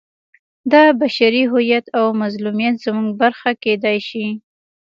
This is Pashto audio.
دا بشري هویت او مظلومیت زموږ برخه کېدای شي.